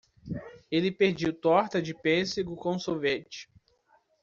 Ele pediu torta de pêssego com sorvete.